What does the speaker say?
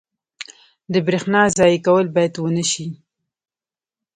• د برېښنا ضایع کول باید ونه شي.